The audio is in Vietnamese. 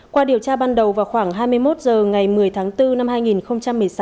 qua điều tra ban đầu vào khoảng hai mươi một h ngày một mươi tháng bốn năm hai nghìn